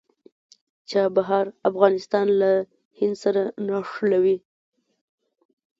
چابهار افغانستان له هند سره نښلوي